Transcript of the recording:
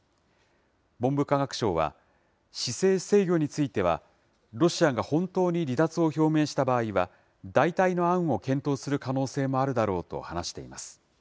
文部科学省は、姿勢制御については、ロシアが本当に離脱を表明した場合は、代替の案を検討する可能性もあるだろうと話しています。